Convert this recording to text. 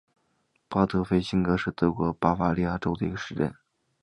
巴德菲辛格是德国巴伐利亚州的一个市镇。